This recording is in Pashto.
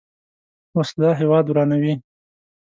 وسله هیواد ورانوي